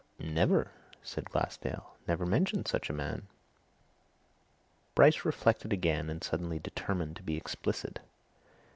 "Never!" said Glassdale. "Never mentioned such a man!" Bryce reflected again, and suddenly determined to be explicit.